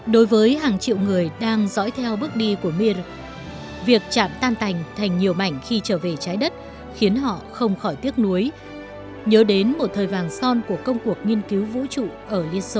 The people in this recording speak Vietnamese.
đối với hàng triệu người đang dõi theo bước đi của mir việc chạm tan thành thành nhiều mảnh khi trở về trái đất khiến họ không khỏi tiếc núi nhớ đến một thời vàng son của công cuộc nghiên cứu vũ trụ ở liên xô